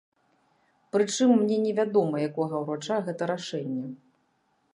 Пры чым мне не вядома якога ўрача гэта рашэнне.